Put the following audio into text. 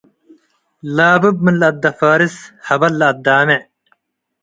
. ላብብ ምን ለአደፋርስ ሀበል ለአዳምዕ